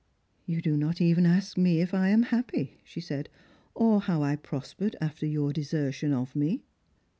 " You do not even ask me if I am happy," she said, " or how I prospered after your desertion of me."